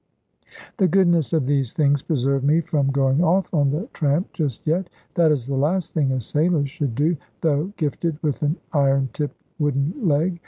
The goodness of these things preserved me from going off on the tramp just yet. That is the last thing a sailor should do, though gifted with an iron tipped wooden leg.